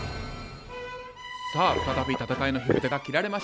さあ再び戦いの火ぶたが切られました。